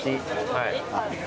はい。